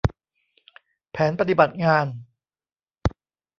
แผนปฏิบัติงาน